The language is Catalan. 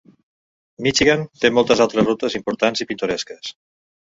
Michigan té moltes altres rutes importants i pintoresques.